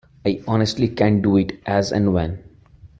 I honestly can do it as and when.